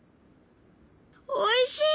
おいしい！